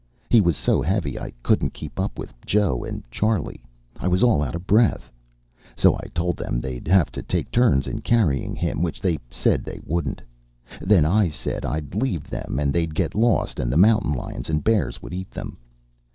He was so heavy I couldn't keep up with Joe and Charley. I was all out of breath. So I told them they'd have to take turns in carrying him, which they said they wouldn't. Then I said I'd leave them and they'd get lost, and the mountain lions and bears would eat them.